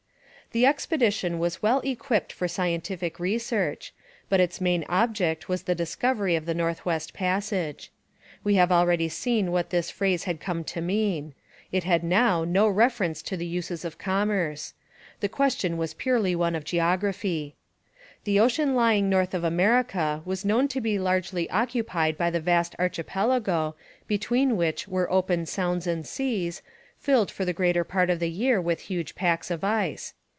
The expedition was well equipped for scientific research, but its main object was the discovery of the North West Passage. We have already seen what this phrase had come to mean. It had now no reference to the uses of commerce. The question was purely one of geography. The ocean lying north of America was known to be largely occupied by a vast archipelago, between which were open sounds and seas, filled for the greater part of the year with huge packs of ice.